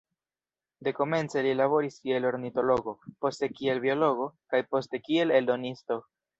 Dekomence li laboris kiel ornitologo, poste kiel biologo, kaj poste kiel eldonisto.